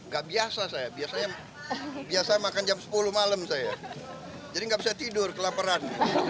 gak biasa saya biasa makan jam sepuluh malam saya jadi gak bisa tidur kelaperan